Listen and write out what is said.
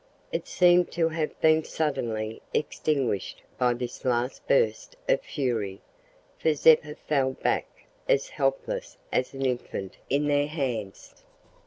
It seemed to have been suddenly extinguished by this last burst of fury, for Zeppa fell back as helpless as an infant in their hands.